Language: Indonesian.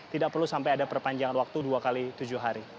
tidak perlu sampai ada perpanjangan waktu dua x tujuh hari